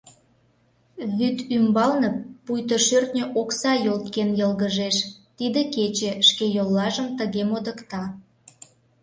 Вӱд ӱмбалне пуйто шӧртньӧ окса йолткен йылгыжеш — тиде кече шке йоллажым тыге модыкта.